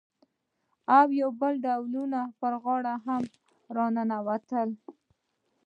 او بل ډول پر غاړه هم راننوتل.